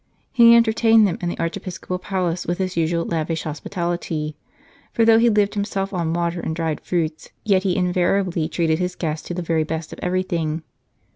He entertained them in the archi episcopal palace with his usual lavish hospitality ; for though he lived himself on water and dried fruits, yet he invariably treated his guests to the very best of everything.